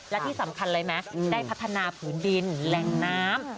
และที่สำคัญเลยไหมได้พัฒนาผืนดินแหล่งน้ำ